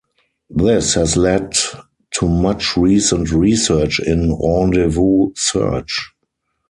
This has led to much recent research in rendezvous search.